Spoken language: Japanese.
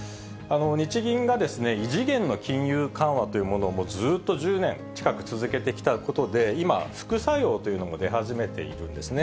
日銀が異次元の金融緩和というものをずっと１０年近く続けてきたことで、今、副作用というものも出始めているんですね。